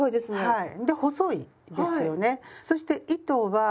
はい！